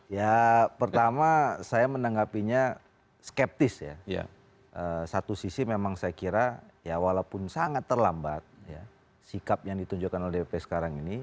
ya pertama saya menanggapinya skeptis ya satu sisi memang saya kira ya walaupun sangat terlambat sikap yang ditunjukkan oleh dp sekarang ini